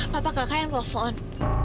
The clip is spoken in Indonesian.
bapak kakak yang telpon